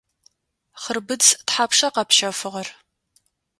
Хъырбыдз тхьапша къэпщэфыгъэр?